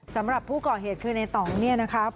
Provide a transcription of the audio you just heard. สำหรับผู้ก่อเหตุคือในต่องเนี่ยนะครับ